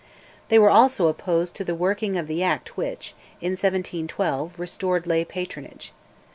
They were also opposed to the working of the Act which, in 1712, restored lay patronage.